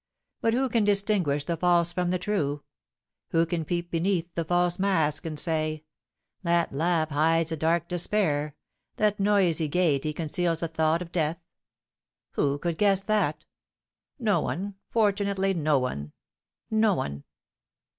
But who can distinguish the false from the true? Who can peep beneath the false mask, and say, 'That laugh hides a dark despair, that noisy gaiety conceals a thought of death?' Who could guess that? No one, fortunately, no one, no one!